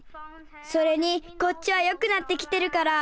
それにこっちはよくなってきてるから。